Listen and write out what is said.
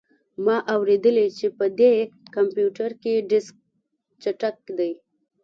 ما اوریدلي چې په دې کمپیوټر کې ډیسک چټک دی